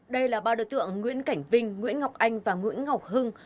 đây là ba đối tượng nguyễn cảnh vinh nguyễn ngọc anh và nguyễn ngọc hưng